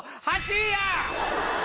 ８位や！